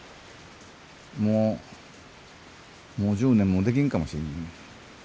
もうもう１０年もできんかもしんないね。